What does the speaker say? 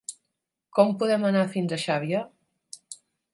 Com podem anar fins a Xàbia?